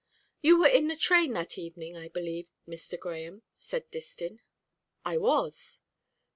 "You were in the train that evening, I believe, Mr. Grahame," said Distin. "I was."